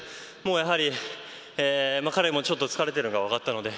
彼もちょっと疲れているのが分かったので。